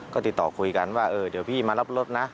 ก็ติดต่อคุยกันว่าเออเดี๋ยวพี่มารับรถนะ